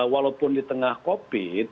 walaupun di tengah covid